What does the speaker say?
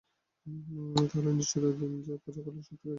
তাহলে নিশ্চয়তা দিন যে পূজা করলে সব ঠিক হয়ে যাবে।